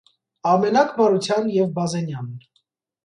- Ամենակ Մարության և Բազենյան…